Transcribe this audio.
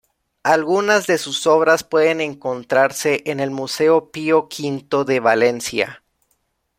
Algunas de sus obras pueden encontrarse en el Museo Pio V de Valencia